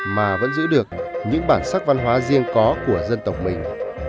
mà vẫn giữ được những bản sắc văn hóa riêng có của dân tộc mình